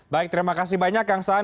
baik terima kasih banyak kang saan